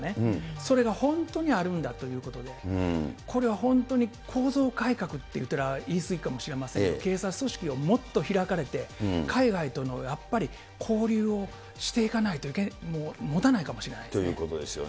それが本当にあるんだということで、これは本当に構造改革といったら言い過ぎかもしれませんけど、警察組織がもっと開かれて、海外とのやっぱり交流をしていかないと、ということですよね。